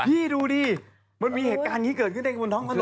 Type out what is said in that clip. พี่ดูดิมันมีเหตุการณ์นี้เกิดขึ้นได้บนท้องถนน